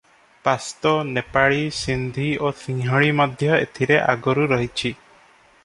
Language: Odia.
ପାସ୍ତୋ, ନେପାଳୀ, ସିନ୍ଧୀ ଓ ସିଂହଳୀ ମଧ୍ୟ ଏଥିରେ ଆଗରୁ ରହିଛି ।